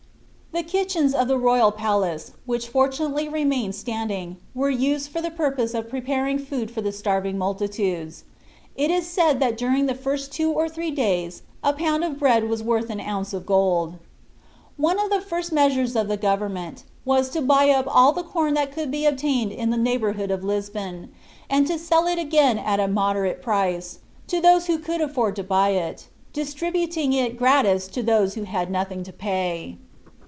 The kitchens of the royal palace, which fortunately remained standing, were used for the purpose of preparing food for the starving multitudes. It is said that during the first two or three days a pound of bread was worth an ounce of gold. One of the first measures of the government was to buy up all the corn that could be obtained in the neighborhood of Lisbon, and to sell it again at a moderate price, to those who could afford to buy, distributing it gratis to those who had nothing to pay.